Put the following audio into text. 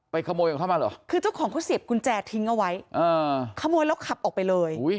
ขโมยของเขามาเหรอคือเจ้าของเขาเสียบกุญแจทิ้งเอาไว้อ่าขโมยแล้วขับออกไปเลย